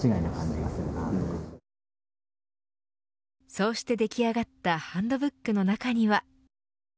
そして出来上がったハンドブックの中には。